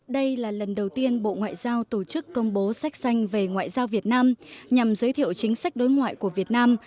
đây là lần đầu tiên bộ ngoại giao tổ chức công bố sách xanh về ngoại giao việt nam nhằm giới thiệu chính sách đối ngoại của việt nam